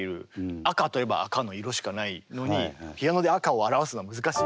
「赤」と言えば赤の色しかないのにピアノで「赤」を表すのは難しい。